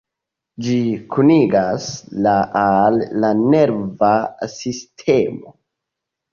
Ĝi kunigas la al la nerva sistemo.